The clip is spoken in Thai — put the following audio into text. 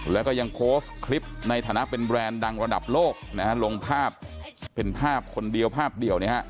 แล้วก็ยังโพสต์คลิปในฐานะเป็นแบรนด์ดังระดับโลกนะฮะลงภาพเป็นภาพคนเดียวภาพเดียวนะฮะ